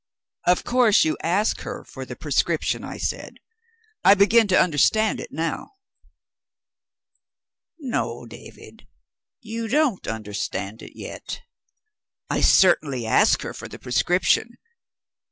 "Of course you asked her for the prescription?" I said. "I begin to understand it now." "No, David; you don't understand it yet. I certainly asked her for the prescription.